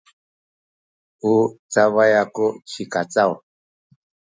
u cabay aku ci Kacaw.